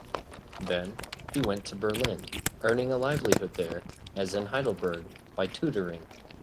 Then, he went to Berlin, earning a livelihood there, as in Heidelberg, by tutoring.